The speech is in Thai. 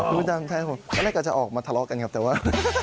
คุณผู้จังใช่ค่ะวันแรกก็จะออกมาทะเลาะกันครับแต่ว่า